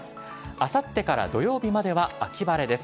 あさってから土曜日までは秋晴れです。